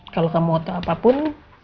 kalau kamu mau tau apapun